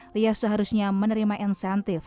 lia seharusnya menerima insentif